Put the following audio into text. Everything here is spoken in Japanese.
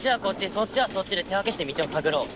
そっちはそっちで手分けして道を探ろう。